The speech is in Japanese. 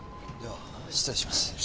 では失礼します。